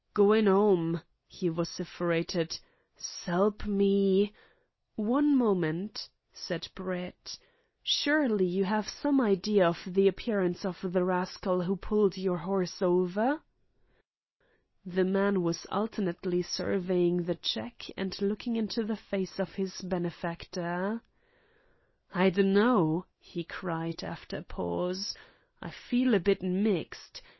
"Goin' 'ome," he vociferated. "S'elp me " "One moment," said Brett. "Surely you have some idea of the appearance of the rascal who pulled your horse over?" The man was alternately surveying the cheque and looking into the face of his benefactor. "I dunno," he cried, after a pause. "I feel a bit mixed.